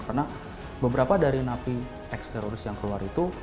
karena beberapa dari napi eksteroris yang keluar itu